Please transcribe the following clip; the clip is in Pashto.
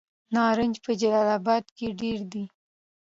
نارنج په جلال اباد کې ډیر دی.